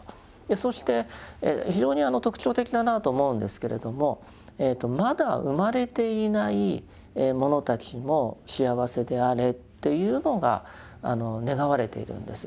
そして非常に特徴的だなと思うんですけれどもまだ生まれていないものたちも幸せであれというのが願われているんです。